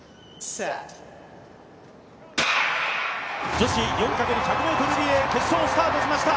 女子４×１００ｍリレー決勝スタートしました。